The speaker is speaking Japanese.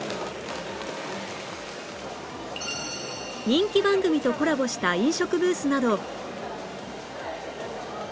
人気番組とコラボした飲食ブースなど